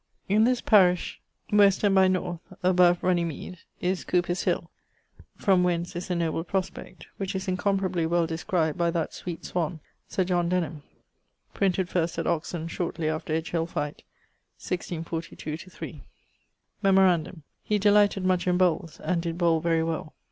In this parish W. and by N. (above Runney Meade) is Cowper's Hill, from whence is a noble prospect, which is incomparably well described by that sweet swan, Sir John Denham; printed first at Oxon shortly after Edghill fight, 1642/3. Memorandum: he delighted much in bowles, and did bowle very well.